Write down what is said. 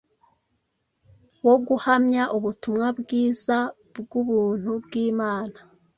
wo guhamya ubutumwa bwiza bw’ubuntu bw’Imana.